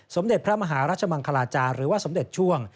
สมเด็จพระมหารัชมังคลาจาหรือว่าสมเด็จช่วง